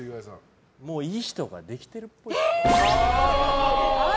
もういい人ができてるっぽい。